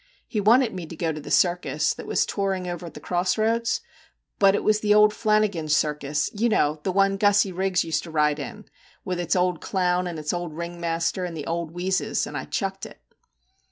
He wanted me to go to the circus that was touring over at the cross roads, but it was the old Flanigin's circus, you know, the one Gussie Riggs used to ride in, with its old clown and its old ringmaster and the old " wheezes," and I chucked it.'